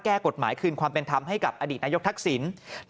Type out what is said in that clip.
แก้กฎหมายคืนความเป็นธรรมให้กับอดีตนายกทักษิณ